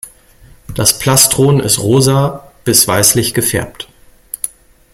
Das Plastron ist rosa bis weißlich gefärbt.